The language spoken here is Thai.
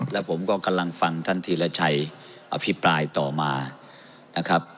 แล้วผมก็กำลังฟังท่านธีรชัยอภิปรายต่อมานะครับ